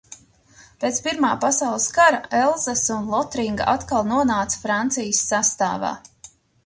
Pēc Pirmā pasaules kara Elzasa un Lotringa atkal nonāca Francijas sastāvā.